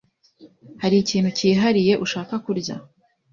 Hari ikintu cyihariye ushaka kurya?